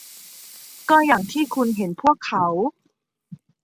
ก็อย่างที่คุณเห็นพวกเขา